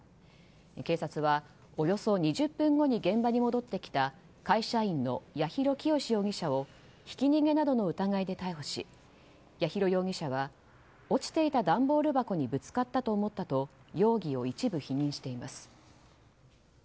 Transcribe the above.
警察は、およそ２０分後に現場に戻ってきた会社員の八尋清容疑者をひき逃げなどの疑いで逮捕し八尋容疑者は落ちていた段ボール箱にぶつかったと思ったと容疑を一部否認しています。